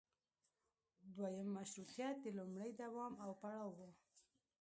دویم مشروطیت د لومړي دوام او پړاو و.